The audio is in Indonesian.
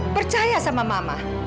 percaya sama mama